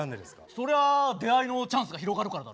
そりゃ出会いのチャンスが広がるからだろ。